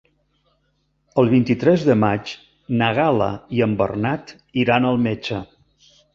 El vint-i-tres de maig na Gal·la i en Bernat iran al metge.